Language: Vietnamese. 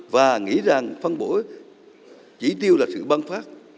và nghĩ rằng phân bổ chỉ tiêu là sự băng phát